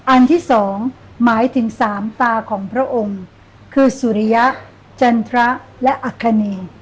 อันที่สองหมายถึงสามตาของพระองค์คือสุริยะจันทรและอัคคเน